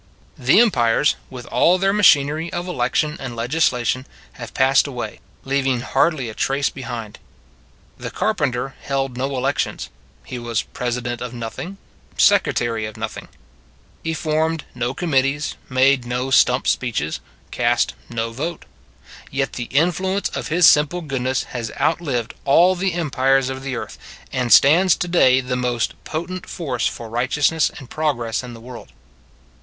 The empires, with all their machinery of election and of legislation, have passed away, leaving hardly a trace behind. The Carpenter held no elections : He was president of nothing; secretary of nothing; He formed no committees, made A Grizzled Voter 75 no stump speeches, cast no vote. Yet the influence of His simple goodness has out lived all the empires of the earth, and stands to day the most potent force for righteousness and progress in the world.